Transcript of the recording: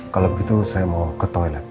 kalau begitu saya mau ke toilet